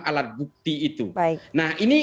alat bukti itu nah ini